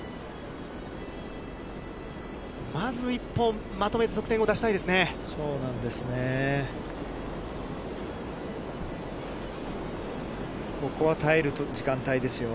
まず１本、まとめて得点を出したそうなんですね。